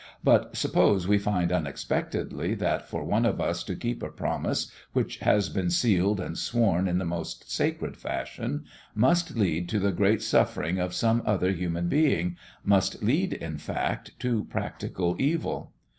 But suppose we find unexpectedly that for one of us to keep a promise, which has been sealed and sworn in the most sacred fashion, must lead to the great suffering of some other human being, must lead, in fact, to practical evil?